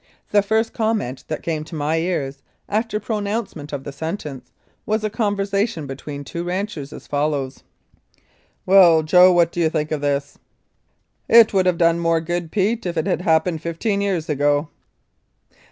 The first comment that came to my ears, after pronouncement of the sentence, was a conversation between two ranchers as follows : "Well, Joe, what do you think of this? "" It would have done more good, Pete, if it had hap pened fifteen years ago."